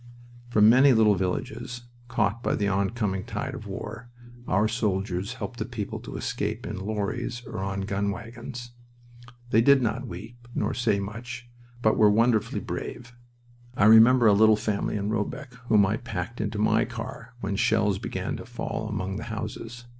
From many little villages caught by the oncoming tide of war our soldiers helped the people to escape in lorries or on gun wagons. They did not weep, nor say much, but were wonderfully brave. I remember a little family in Robecq whom I packed into my car when shells began to fall among the houses.